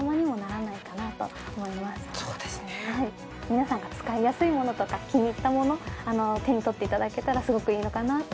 皆さんが使いやすいものとか気に入ったもの手に取って頂けたらすごくいいのかなと思います。